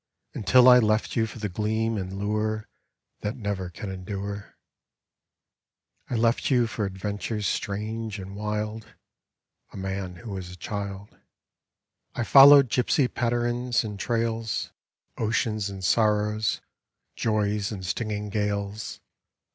Until I left you for the gleam and lure That never can endure. I left you for adventures strange and wild, (A man who was a child) ; I followed gypsy patterans and trails, Oceans and sorrows, joys and stinging gales.